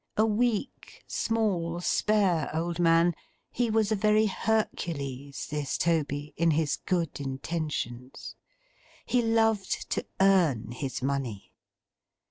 A weak, small, spare old man, he was a very Hercules, this Toby, in his good intentions. He loved to earn his money.